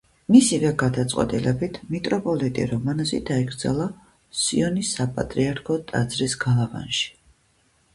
მისივე გადაწყვეტილებით მიტროპოლიტი რომანოზი დაიკრძალა სიონის საპატრიარქო ტაძრის გალავანში.